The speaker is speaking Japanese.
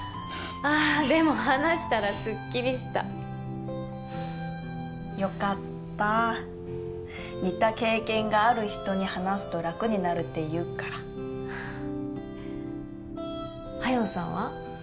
ああでも話したらすっきりしたよかった似た経験がある人に話すと楽になるっていうから夏英さんは？